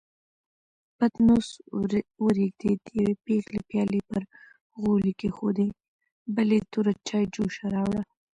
پتنوس ورېږدېد، يوې پېغلې پيالې پر غولي کېښودې، بلې توره چايجوشه راوړه.